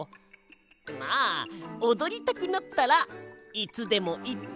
まあおどりたくなったらいつでもいってくれよな！